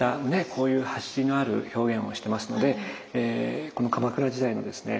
こういう走りのある表現をしてますのでこの鎌倉時代のですね